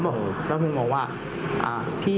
บอกว่า